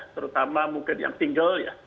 terutama mungkin yang tinggal ya